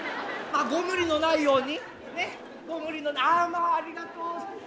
あっご無理のないように。